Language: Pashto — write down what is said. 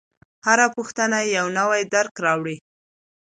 هره پوښتنه یو نوی درک راوړي.